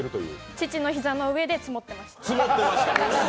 父の膝の上でツモってました。